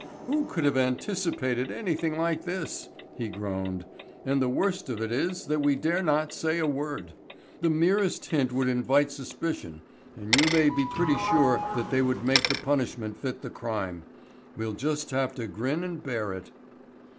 "Who could have anticipated anything like this?" he groaned. "And the worst of it is that we dare not say a word. The merest hint would invite suspicion, and you may be pretty sure that they would make the punishment fit the crime. We'll just have to grin and bear it."